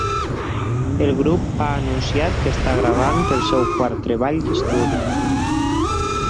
El grup ha anunciat que està gravant el seu quart treball d'estudi.